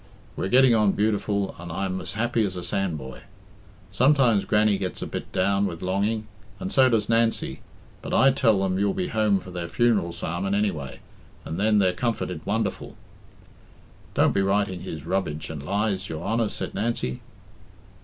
We're getting on beautiful, and I'm as happy as a sandboy. Sometimes Grannie gets a bit down with longing, and so does Nancy, but I tell them you'll be home for their funeral sarmon, anyway, and then they're comforted wonderful.'" "Don't be writing his rubbage and lies, your Honour," said Nancy.